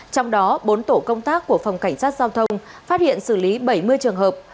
trong đó bốn tổ công tác của phòng cảnh sát giao thông phát hiện xử lý bảy mươi trường hợp